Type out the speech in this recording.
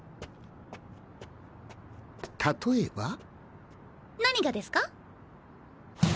例えば？何がですか？